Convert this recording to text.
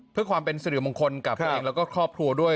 เพื่อความเป็นสิริมงคลกับตัวเองแล้วก็ครอบครัวด้วย